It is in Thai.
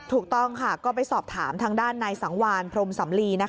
ถูกต้องค่ะก็ไปสอบถามทางด้านนายสังวานพรมสำลี